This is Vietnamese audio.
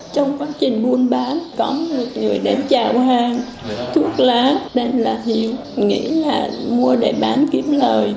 trong quá trình buôn bán có một người đến chào hàng thuốc lá tên là hiếu nghĩ là mua để bán kiếm lời